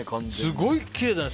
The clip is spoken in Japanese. すごいきれいですね